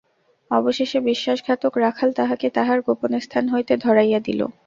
অবশেষে বিশ্বাসঘাতক রাখাল তাহাকে তাহার গোপন স্থান হইতে ধরাইয়া দিল।